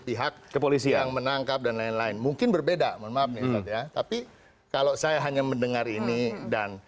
pihak kepolisian menangkap dan lain lain mungkin berbeda mohon maaf nih tapi kalau saya hanya mendengar ini dan